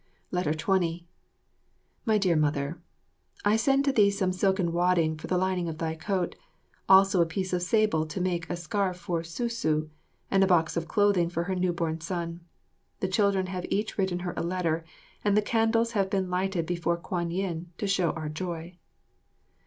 20 My Dear Mother, I send to thee some silken wadding for the lining of thy coat, also a piece of sable to make a scarf for Su su, and a box of clothing for her new born son. The children each have written her a letter, and the candles have been lighted before Kwan yin, to show our joy.